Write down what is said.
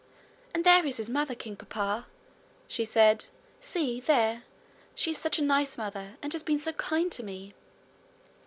'And there is his mother, king papa!' she said. 'See there. She is such a nice mother, and has been so kind to me!'